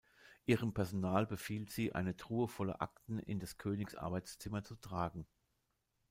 Ihrem Personal befiehlt sie, eine Truhe voller Akten in des Königs Arbeitszimmer zu tragen.